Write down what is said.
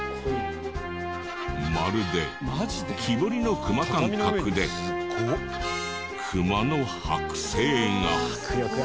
まるで木彫りの熊感覚でクマの剥製が。